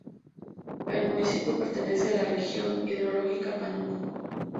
El municipio pertenece a la región hidrológica Panuco.